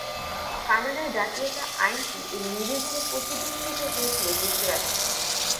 কানাডার জাতীয়তা আইনটি এর নিবিড়ভাবে প্রতিবিম্বিত হয়েছিল যুক্তরাজ্য।